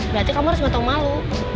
berarti kamu harus matang malu